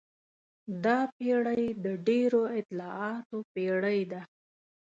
دا پېړۍ د ډېرو اصطلاحاتو پېړۍ ده.